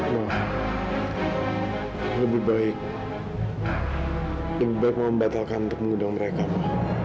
mama lebih baik lebih baik mama batalkan untuk mengundang mereka ma